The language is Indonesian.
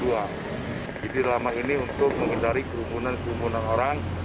jadi dalam ini untuk mengendari kerumunan kerumunan orang